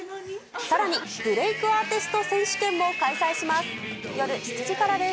さらに、ブレイクアーティスト選手権も開催します。